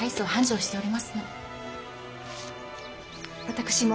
私も。